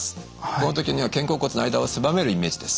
この時には肩甲骨の間を狭めるイメージです。